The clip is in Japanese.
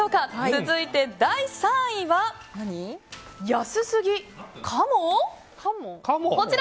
続いて第３位は、安すぎカモ！？